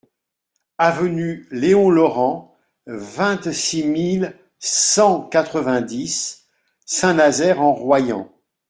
Avenue Léon Laurent, vingt-six mille cent quatre-vingt-dix Saint-Nazaire-en-Royans